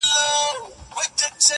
!.د هر اواز سره واخ، واخ پورته کړي!.